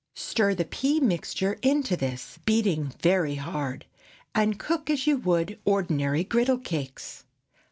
Stir the pea mixture into this, beating very hard, and cook as you would ordinary griddle cakes.